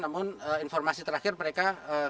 namun informasi terakhir mereka tidak tahu